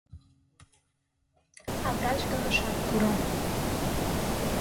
А врач гын, ышат пуро.